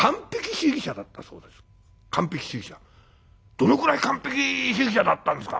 「どのくらい完璧主義者だったんですか？」。